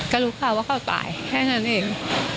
ก็รู้ข่าวว่าเขาตายแค่นั้นเอง